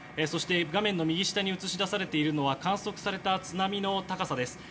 そして画面右下に映し出されているのは観測された津波の高さです。